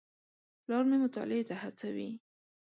پلار مې مطالعې ته هڅوي.